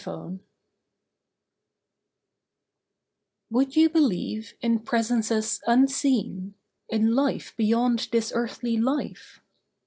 KNOWLEDGE Would you believe in Presences Unseen— In life beyond this earthly life?